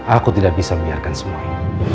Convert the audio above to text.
aku tidak bisa menyiarkan semua ini